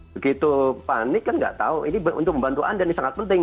begitu panik kan nggak tahu ini untuk membantu anda ini sangat penting